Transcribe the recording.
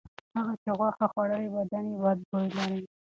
هغه چې غوښه خوړلې بدن یې بد بوی لري.